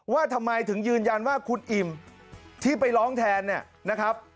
ว่าทำไมถึงยืนยันว่าคุณอิ่มที่ไปร้องแทนเนี่ยนะครับ